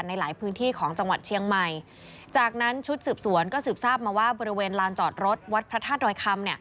ในหลายพื้นที่ของจังหวัดเชียงใหม่